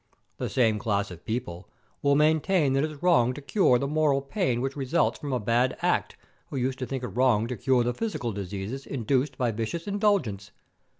The same class of people will maintain that it's wrong to cure the moral pain which results from a bad act who used to think it wrong to cure the physical diseases induced by vicious indulgence.